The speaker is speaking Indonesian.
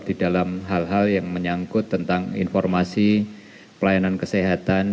di dalam hal hal yang menyangkut tentang informasi pelayanan kesehatan